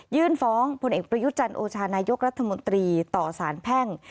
ฟ้องพลเอกประยุจันทร์โอชานายกรัฐมนตรีต่อสารแพ่ง